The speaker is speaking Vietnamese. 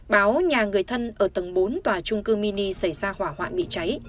báo nhà người thân ở tầng bốn tòa trung cư mini xảy ra hỏa hoạn bị cháy